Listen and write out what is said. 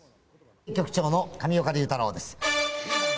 局長の上岡龍太郎です。